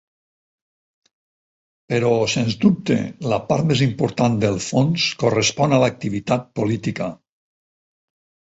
Però, sens dubte, la part més important del fons correspon a l'activitat política.